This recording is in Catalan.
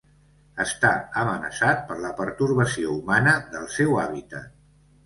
Està amenaçat per la pertorbació humana del seu hàbitat.